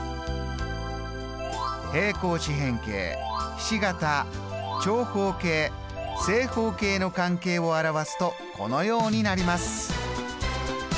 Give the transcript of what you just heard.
平行四辺形ひし形長方形正方形の関係を表すとこのようになります。